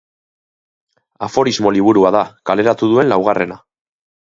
Aforismo liburua da, kaleratu duen laugarrena.